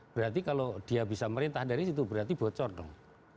berarti kalau dia bisa merintah dari situ berarti bocor dong